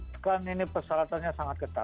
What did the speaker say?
sekarang ini persyaratannya sangat ketat